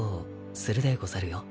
するでござる。